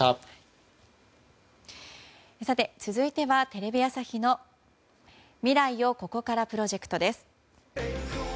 続いては、テレビ朝日の未来をここからプロジェクトです。